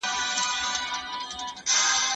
دا ستونزه یوازې د یوه وخت نه ده.